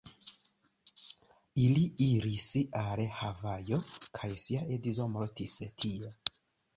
Ili iris al Havajo kaj ŝia edzo mortis tie.